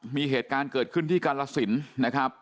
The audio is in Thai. มีเหตุการณ์เกิดขึ้นที่กาลสินนะครับ